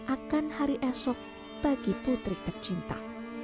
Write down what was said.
akan hari esok bagi putri tercinta